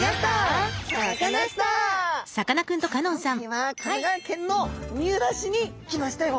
さあ今回は神奈川県の三浦市に来ましたよ。